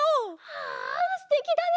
はあすてきだね！